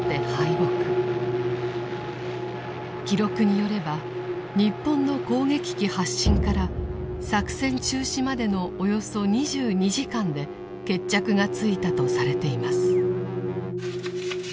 記録によれば日本の攻撃機発進から作戦中止までのおよそ２２時間で決着がついたとされています。